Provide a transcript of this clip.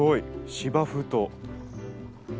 芝生と。